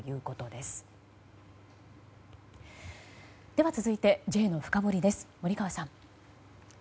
では、続いてＪのフカボリです、森川さん。